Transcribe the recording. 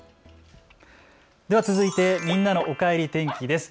では続いてみんなのおかえり天気です。